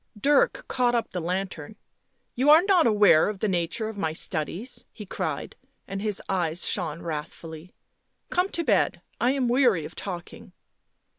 Dirk caught up the lantern. 11 You are not aware of the nature of my studies," he cried, and his eyes shone wrathfully. " Come to bed. I am weary of talking."